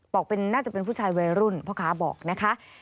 น่าจะเป็นผู้ชายวัยรุ่นพ่อค้าบอกนะคะ